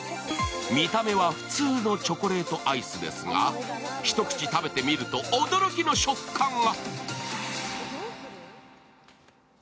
見た目は普通のチョコレートアイスですが一口食べてみると驚きの食感が。